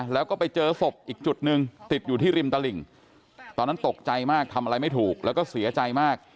แล้วก็ไปเจอศพอีกจุดหนึ่งติดอยู่ที่ริมตลิ่งตอนนั้นตกใจมากทำอะไรไม่ถูกแล้วก็เสียใจมาก